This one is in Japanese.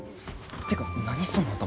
てか何その頭。